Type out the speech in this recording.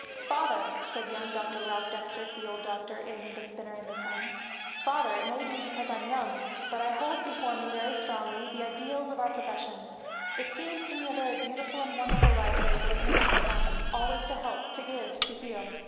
'"Father!" said young Dr. Ralph Dexter to the old doctor in The Spinner in the Sun, "father! it may be because I'm young, but I hold before me, very strongly, the ideals of our profession. It seems to me a very beautiful and wonderful life that is opening up before me, always to help, to give, to heal.